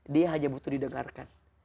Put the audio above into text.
dia hanya butuh didengarkan